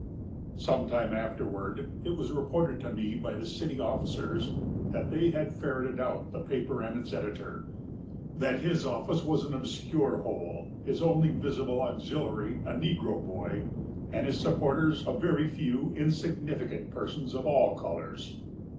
"Some time afterward, it was reported to me by the city officers that they had ferreted out the paper and its editor; that his office was an obscure hole, his only visible auxiliary a negro boy, and his supporters a few very insignificant persons of all colors."